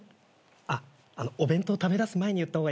あっお弁当食べだす前に言った方がいいかなと思って。